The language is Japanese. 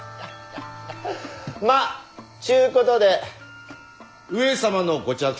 まっちゅことで上様のご嫡孫